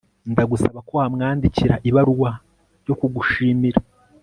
Ndagusaba ko wamwandikira ibaruwa yo kugushimira